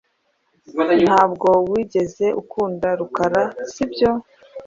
Ntabwo wigeze ukunda Rukara ,sibyo?